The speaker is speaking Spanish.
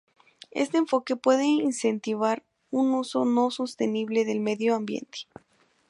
Este enfoque puede incentivar un uso no sostenible del medio ambiente.